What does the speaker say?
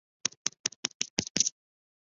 轴心偏移可以利用针盘量规来量测。